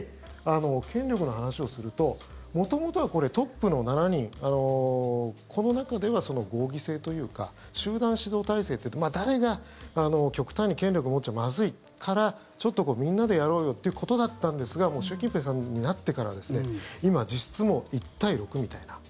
権力の話をすると元々はトップの７人この中では合議制というか集団指導体制って誰が極端に権力を持っちゃまずいからちょっと、みんなでやろうよっていうことだったんですが習近平さんになってからは実質、１対６みたいな。